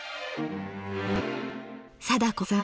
貞子さん